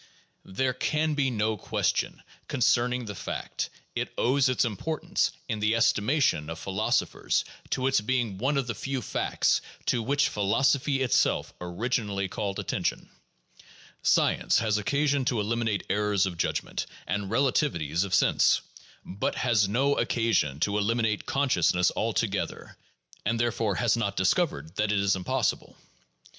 There can be no question concern ing the fact ; it owes its importance in the estimation of philosophers to its being one of the few facts to which philosophy itself originally called attention. Science has occasion to eliminate errors of judgment and relativities of sense, but has no occasion to eliminate consciousness altogether; and therefore has not discovered that it is impossible.